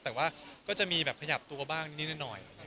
แต่ว่าก็จะมีแบบขยับตัวบ้างนิดหน่อย